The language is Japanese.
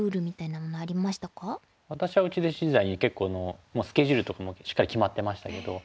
私は内弟子時代に結構スケジュールとかもしっかり決まってましたけど。